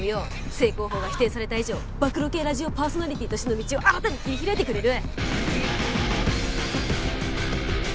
正攻法が否定された以上暴露系ラジオパーソナリティーとしての道を新たに切り開いてくれる！